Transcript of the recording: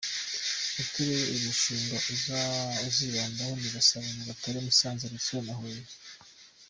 Uturere uyu mushinga uzibandaho ni Gasabo, Nyagatare, Musanze, Rutsiro na Huye.